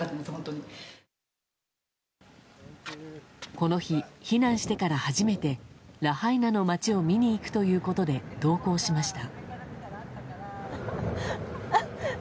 この日、避難してから初めてラハイナの街を見に行くということで同行しました。